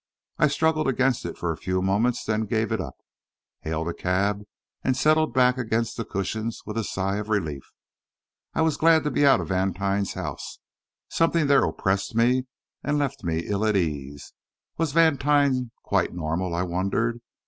I struggled against it for a few moments, then gave it up, hailed a cab, and settled back against the cushions with a sigh of relief. I was glad to be out of Vantine's house; something there oppressed me and left me ill at ease. Was Vantine quite normal, I wondered?